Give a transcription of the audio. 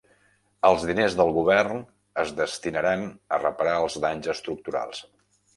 Els diners del Govern es destinaran a reparar els danys estructurals.